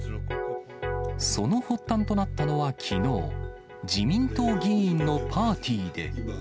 その発端となったのはきのう、自民党議員のパーティーで。